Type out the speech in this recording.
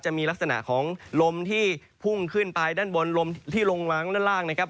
จะมีลักษณะของลมที่พุ่งขึ้นไปด้านบนลมที่ลงวางด้านล่างนะครับ